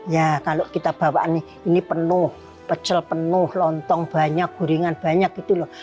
ya kalau kita bawaan ini penuh pecel penuh lontong banyak gorengan banyak itu loh